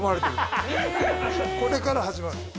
これから始まる。